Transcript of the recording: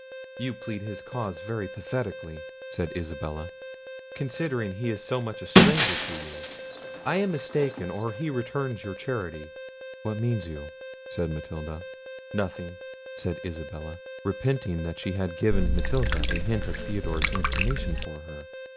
"You plead his cause very pathetically," said Isabella, "considering he is so much a stranger to you! I am mistaken, or he returns your charity." "What mean you?" said Matilda. "Nothing," said Isabella, repenting that she had given Matilda a hint of Theodore's inclination for her.